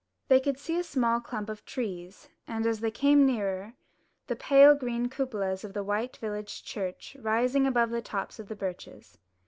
They could see a small clump of trees, and, as they came nearer, the pale green cupolas of the white village church rising above the tops of the birches.